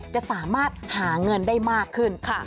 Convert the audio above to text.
จะสามารถหาเงินได้มากขึ้น